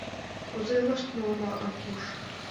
— Кузе илаш тӱҥалына, Аркуш?..